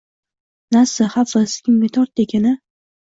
Nasi, Hafiz kimga tortdi ekan a